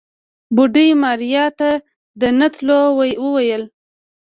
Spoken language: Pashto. بوډۍ ماريا ته د نه تلو وويل.